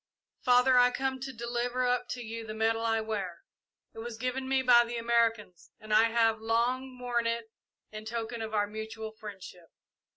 "Father, I come to deliver up to you the medal I wear. It was given me by the Americans, and I have long worn it in token of our mutual friendship.